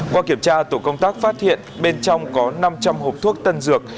qua kiểm tra tổ công tác phát hiện bên trong có năm trăm linh hộp thuốc tân dược